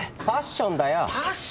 パッションだよ。